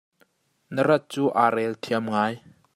Na rat cu aa relthiam ngai.